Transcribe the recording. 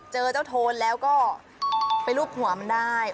เจอเจ้าโทนแล้วก็ไปรูปหัวมันได้